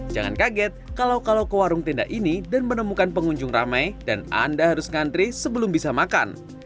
jangan kaget kalau kalau ke warung tenda ini dan menemukan pengunjung ramai dan anda harus ngantri sebelum bisa makan